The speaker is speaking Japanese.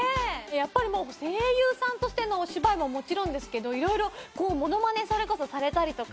やっぱりもう声優さんとしてのお芝居ももちろんですけど色々こうものまねそれこそされたりとか。